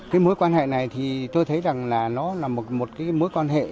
cái mối quan hệ này thì tôi thấy rằng là nó là một cái mối quan hệ